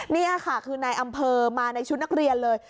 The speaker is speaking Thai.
นี่ค่ะคือนายอำเภอมาในชุดนักเรียนเลย